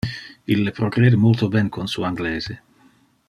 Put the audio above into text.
Ille progrede multo ben con su anglese.